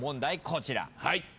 こちら。